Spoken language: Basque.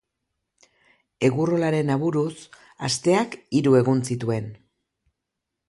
Egurrolaren aburuz asteak hiru egun zituen.